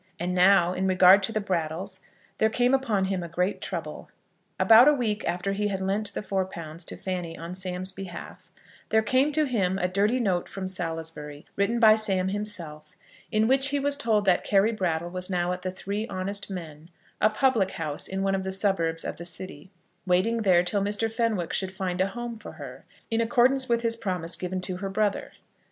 And now, in regard to the Brattles, there came upon him a great trouble. About a week after he had lent the four pounds to Fanny on Sam's behalf, there came to him a dirty note from Salisbury, written by Sam himself, in which he was told that Carry Brattle was now at the Three Honest Men, a public house in one of the suburbs of the city, waiting there till Mr. Fenwick should find a home for her, in accordance with his promise given to her brother.